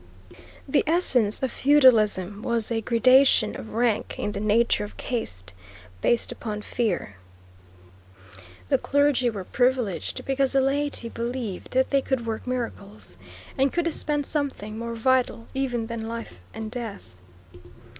The essence of feudalism was a gradation of rank, in the nature of caste, based upon fear. The clergy were privileged because the laity believed that they could work miracles, and could dispense something more vital even than life and death.